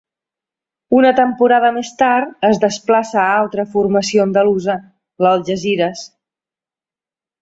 Una temporada més tard, es desplaça a altra formació andalusa, l'Algesires.